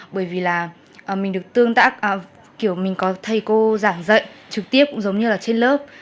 bởi vì là mình được tương tác kiểu mình có thầy cô giảng dạy trực tiếp cũng giống như là trên lớp